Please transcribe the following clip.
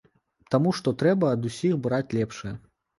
Таму што трэба ад усіх браць лепшае.